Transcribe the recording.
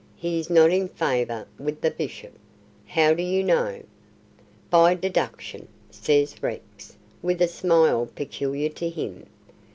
He is not in favour with the Bishop." "How do you know?" "By deduction," says Rex, with a smile peculiar to him.